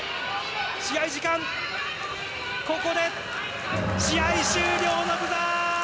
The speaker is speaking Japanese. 試合時間、ここで試合終了のブザー！